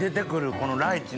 このライチね。